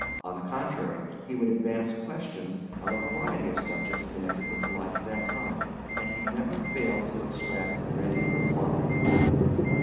On the contrary, he would advance questions on a variety of subjects connected with the life of that time, and he never failed to extract ready replies.